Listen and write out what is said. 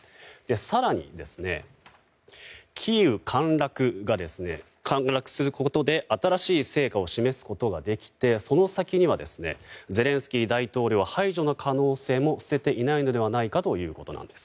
更にキーウが陥落することで新しい成果を示すことができてその先には、ゼレンスキー大統領排除の可能性も捨てていないのではないかということなんです。